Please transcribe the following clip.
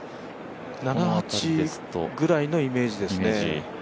７、８ぐらいのイメージですね